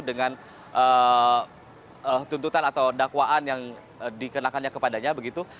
dengan tuntutan atau dakwaan yang dikenakannya kepadanya begitu